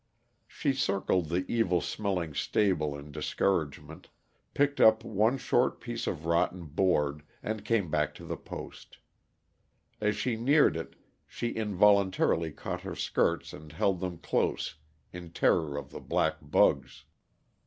She circled the evil smelling stable in discouragement, picked up one short piece of rotten board, and came back to the post. As she neared it she involuntarily caught her skirts and held them close, in terror of the black bugs.